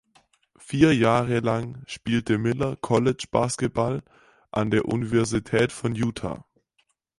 Vier Jahre lang spielte Miller College-Basketball an der Universität von Utah.